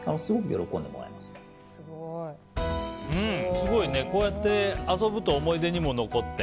すごいね、こうやって遊ぶと思い出にも残って。